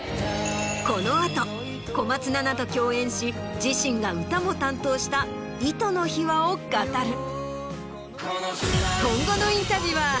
この後小松菜奈と共演し自身が歌も担当した『糸』の秘話を語る。